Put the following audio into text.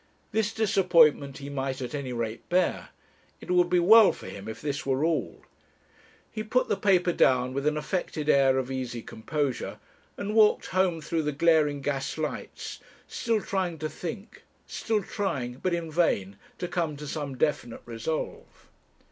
This disappointment he might at any rate bear; it would be well for him if this were all. He put the paper down with an affected air of easy composure, and walked home through the glaring gas lights, still trying to think still trying, but in vain, to come to some definite resolve.